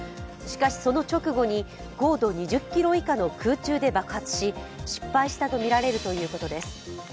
しかし、その直後に高度２０ｋｍ以下の空中で爆発し失敗したとみられるということです。